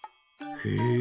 へえ。